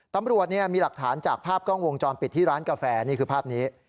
ตำรวจมีหลักฐานจากภาพกล้องวงจรปิดที่ร้านกาแฟนี่คือภาพนี้